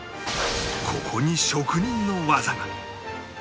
ここに職人の技が